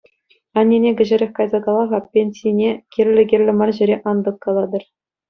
Аннене кӗҫӗрех кайса кала-ха: пенсине кирлӗ-кирлӗ мар ҫӗре ан тӑккалатӑр.